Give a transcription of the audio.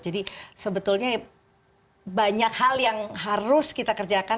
jadi sebetulnya banyak hal yang harus kita kerjakan